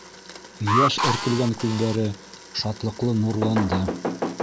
Йәш эркелгән күҙҙәре шатлыҡлы нурланды.